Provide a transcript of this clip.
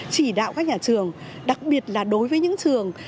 chỉ đạo các nhà trường đặc biệt là đối với những trường